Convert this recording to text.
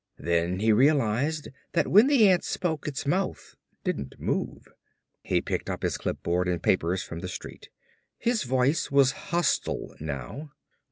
Then he realized that when the ant spoke its mouth didn't move. He picked up his clipboard and papers from the street. His voice was hostile now.